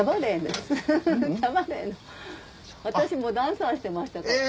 私ダンサーしてましたから。